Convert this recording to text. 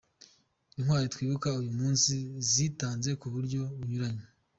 Intwari twibuka uyu munsi zitanze kuburyo bunyuranye.